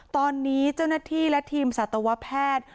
ตอนนี้เจ้าหน้าที่และทีมสัตวแพทย์